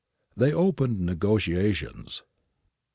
They opened negotiations.